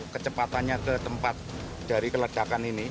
kecepatannya ke tempat dari keledakan ini